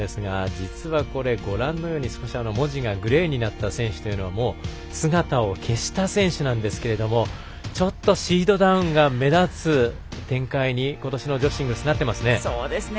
実は、ご覧のように文字がグレーになった選手というのはもう姿を消した選手なんですがちょっとシードダウンが目立つ展開に、ことしの女子シングルスなっていますね。